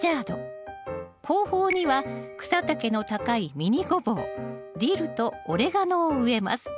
後方には草丈の高いミニゴボウディルとオレガノを植えます。